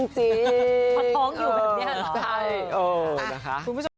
พอท้องอยู่แบบเนี่ยเหรอใช่เออนะคะ